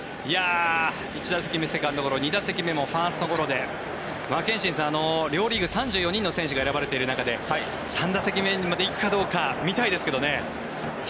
１打席目、セカンドゴロ２打席目もファーストゴロで憲伸さん両リーグ３４人の選手が選ばれている中で３打席まで行くかどうか見たいですけどね。